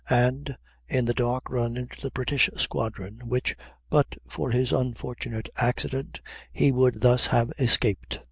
and in the dark ran into the British squadron, which, but for his unfortunate accident, he would thus have escaped.